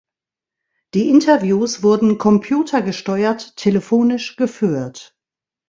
Die Interviews wurden computergesteuert telefonisch geführt.